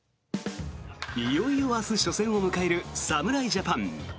いよいよ明日、初戦を迎える侍ジャパン。